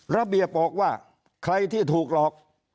ระเบียบบอกว่าใครที่ถูกหลอก